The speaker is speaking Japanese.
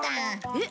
えっ？